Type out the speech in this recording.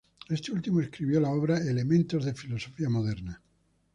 Este último escribió la obra "Elementos de filosofía moderna".